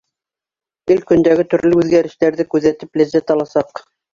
Ил-көндәге төрлө үҙгәрештәрҙе күҙәтеп ләззәт аласаҡ.